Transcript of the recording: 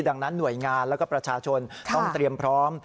ดังนั้นหน่วยงานแล้วก็ประชาชนต้องเตรียมพร้อม